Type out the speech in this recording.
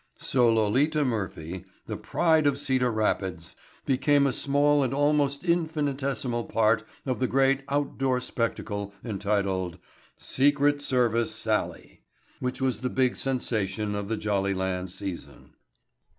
So Lolita Murphy, the pride of Cedar Rapids, became a small and almost infinitesimal part of the great out door spectacle entitled "Secret Service Sallie" which was the big sensation of the Jollyland season.